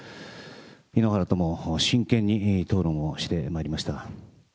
井ノ原とも真剣に討論をしてまいりました。